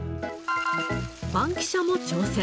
バンキシャも挑戦。